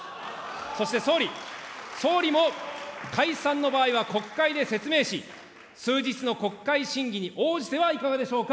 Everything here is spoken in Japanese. そして総理、総理も解散の場合は国会で説明し、数日の国会審議に応じてはいかがでしょうか。